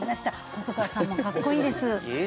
細川さんもかっこいいです。